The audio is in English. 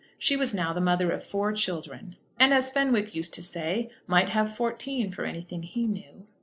She was now the mother of four children, and, as Fenwick used to say, might have fourteen for anything he knew.